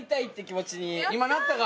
今なったか？